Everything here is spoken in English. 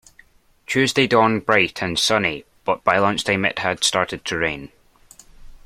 Tuesday dawned bright and sunny, but by lunchtime it had started to rain